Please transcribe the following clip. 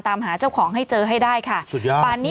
ตามหาเจ้าของให้เจอให้ได้ค่ะ